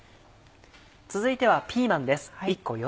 続いてはピーマンです。